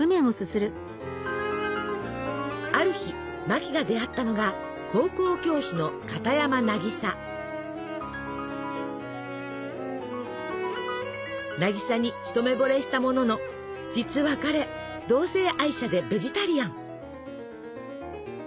ある日マキが出会ったのが渚に一目ぼれしたものの実は彼同性愛者でベジタリアン。